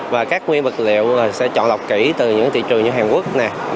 và các nguyên vật liệu sẽ chọn lọc kỹ từ những thị trường như hàn quốc